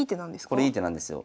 これいい手なんですよ。